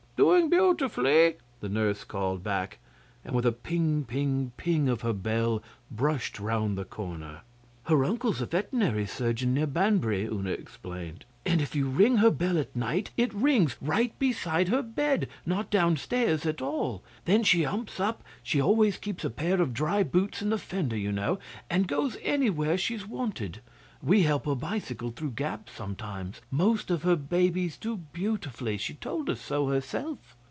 Doing beautifully,' the Nurse called back, and with a ping ping ping of the bell brushed round the corner. 'Her uncle's a vetinary surgeon near Banbury,' Una explained, and if you ring her bell at night, it rings right beside her bed not downstairs at all. Then she 'umps up she always keeps a pair of dry boots in the fender, you know and goes anywhere she's wanted. We help her bicycle through gaps sometimes. Most of her babies do beautifully. She told us so herself.